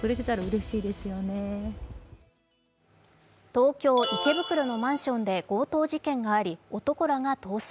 東京・池袋のマンションで強盗事件があり、男らが逃走。